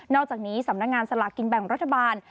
อกจากนี้สำนักงานสลากกินแบ่งรัฐบาล